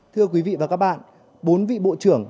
thưa quý vị và các bạn